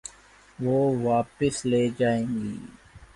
وہ واپس لی جائیں گی۔